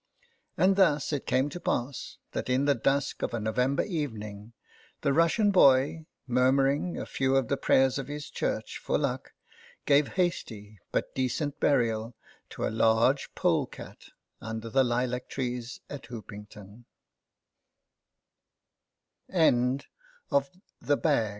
And thus it came to pass that in the dusk of a November evening the Russian boy, murmuring a few of the prayers of his Church for luck, gave hasty but decent burial to a large polecat under the lilac t